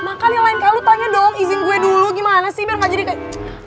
nah kali lain kali tanya dong izin gue dulu gimana sih biar gak jadi kayak